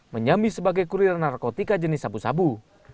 menyambi sebagai kurir narkotika jenis sabu sabu